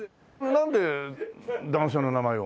なんで男性の名前を？